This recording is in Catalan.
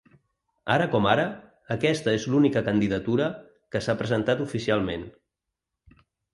Ara com ara, aquesta és l’única candidatura que s’ha presentat oficialment.